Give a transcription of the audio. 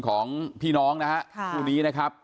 ของพี่น้องนะครับ